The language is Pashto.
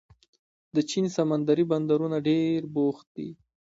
د چین سمندري بندرونه ډېر بوخت دي.